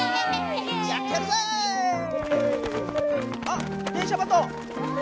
あっ電書バト！